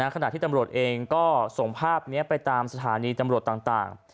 ขณะที่ตำรวจเองก็ส่งภาพนี้ไปตามสถานีตำรวจต่าง